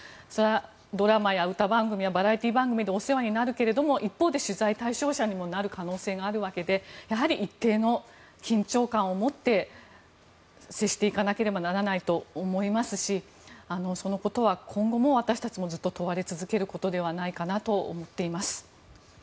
ドラマや歌番組やバラエティー番組でお世話になるけれども一方で取材対象者になる可能性もあるわけでやはり一定の緊張感を持って接していかなければならないと思いますしそのことは今後も私たちもずっと問われ続けることではないかと思っています。